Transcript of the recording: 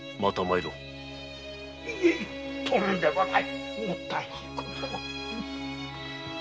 いえとんでもない！もったいないことを。